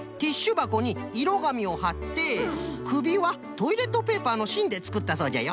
ばこにいろがみをはってくびはトイレットペーパーのしんでつくったそうじゃよ。